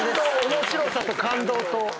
面白さと感動と。